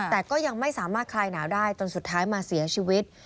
แต่ก็ยังไม่สามารถคลายหนาวได้จนสุดท้ายมาเสียชีวิต